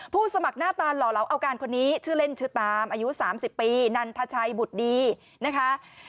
สมัครหน้าตาหล่อเหลาเอาการคนนี้ชื่อเล่นชื่อตามอายุ๓๐ปีนันทชัยบุตรดีนะคะ